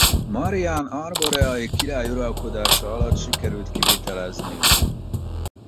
Marián arboreai király uralkodása alatt sikerült kivitelezniük.